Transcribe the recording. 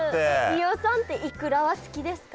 飯尾さんってイクラは好きですか？